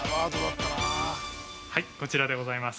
◆はい、こちらでございます。